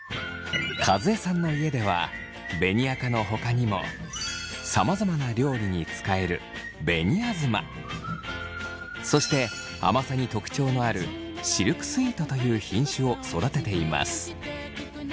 和江さんの家では紅赤のほかにもさまざまな料理に使える紅あずまそして甘さに特徴のあるシルクスイートという品種を育てています。